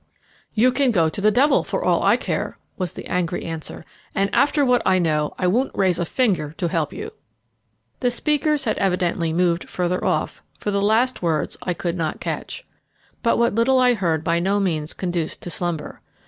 "You can go to the devil for all I care," was the angry answer, "and, after what I know, I won't raise a finger to help you." The speakers had evidently moved further off, for the last words I could not catch. But what little I heard by no means conduced to slumber.